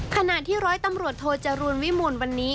ขณะที่ร้อยตำรวจโทจรูลวิมูลวันนี้